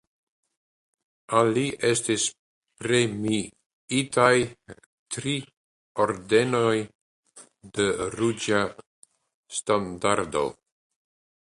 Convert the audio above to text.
Al li estis premiitaj tri Ordenoj de Ruĝa Standardo.